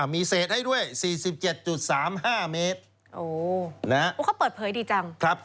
มีเศษให้ด้วย๔๗๓๕เมตร